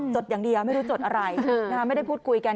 ดอย่างเดียวไม่รู้จดอะไรไม่ได้พูดคุยกัน